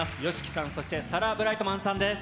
ＹＯＳＨＩＫＩさん、そしてサラ・ブライトマンさんです。